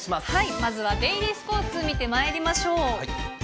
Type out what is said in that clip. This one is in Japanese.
まずはデイリースポーツ見てまいりましょう。